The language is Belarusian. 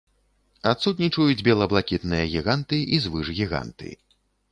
Адсутнічаюць бела-блакітныя гіганты і звышгіганты.